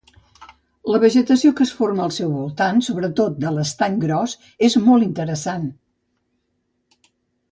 La vegetació que es forma al seu voltant, sobretot de l'Estany Gros, és molt interessant.